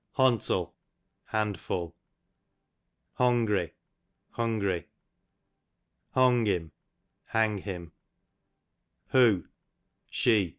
Hontle, handful. Hongry, hungry. Hongim, ha^ig him. Hoo, she.